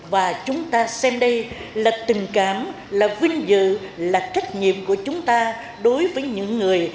và chúng ta xem đây là tình cảm là vinh dự là trách nhiệm của chúng ta đối với những người